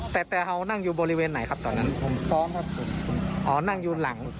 แต่เขานั่งอยู่บริเวณไหนครับตอนนั้น